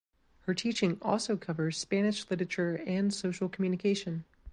Her teaching also covers Spanish literature and social communication.